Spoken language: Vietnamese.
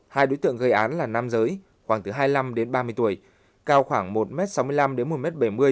hai đối tượng gây án là nam giới khoảng từ hai mươi năm đến ba mươi tuổi cao khoảng một m sáu mươi năm đến một m bảy mươi